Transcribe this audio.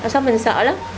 xong mình sợ lắm